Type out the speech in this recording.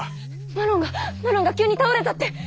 マロンがマロンが急に倒れたって。